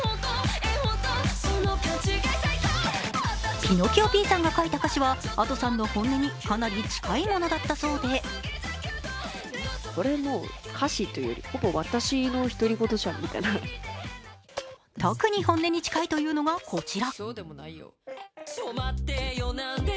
ピノキオピーさんが書いた歌詞はＡｄｏさんの本音にかなり近いものだったそうで特に本音に近いというのがこちら。